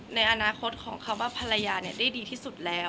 ในอนาคตของคำว่าภรรยาได้ดีที่สุดแล้ว